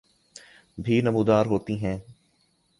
بھی نمودار ہوتی ہیں